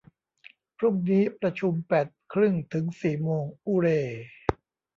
พรุ่งนี้ประชุมแปดครึ่งถึงสี่โมง อูเร